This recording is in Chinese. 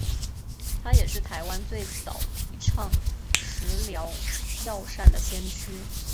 他也是台湾最早提倡食疗药膳的先驱。